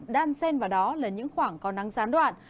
đan sen vào đó là những khoảng có nắng gián đoạn